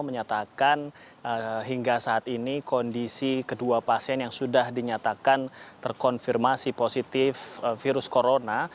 menyatakan hingga saat ini kondisi kedua pasien yang sudah dinyatakan terkonfirmasi positif virus corona